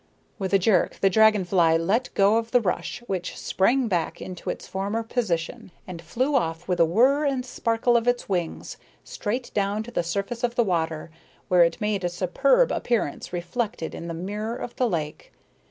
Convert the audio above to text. With a jerk the dragon fly let go of the rush, which sprang back into its former position, and flew off with a whirr and sparkle of its wings, straight down to the surface of the water, where it made a superb appearance reflected in the mirror of the lake.